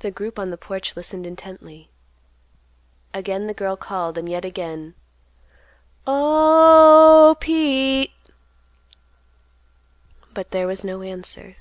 The group on the porch listened intently. Again the girl called, and yet again: "O—h—h, Pete." But there was no answer.